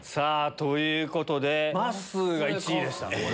ということでまっすーが１位でした。